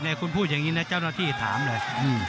คุณพูดอย่างนี้นะเจ้าหน้าที่ถามเลย